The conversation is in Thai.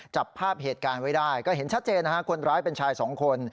จับภาพเหตุการณ์ไว้ได้ก็เห็นชัดเจนนะฮะคนร้ายเป็นชายสองคน